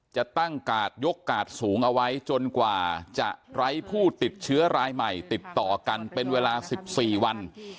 จะตั้งกาดยกกาดสูงเอาไว้จนกว่าจะไร้ผู้ติดเชื้อรายใหม่ติดต่อกันเป็นเวลา๑๔วัน